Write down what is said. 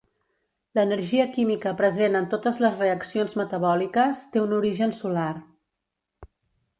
L'energia química present en totes les reaccions metabòliques té un origen solar.